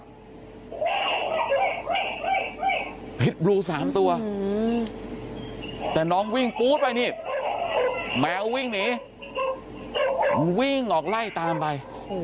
พิษบลู๓ตัวแต่น้องวิ่งปู๊ดไปนี่แมววิ่งหนีวิ่งออกไล่ตามไป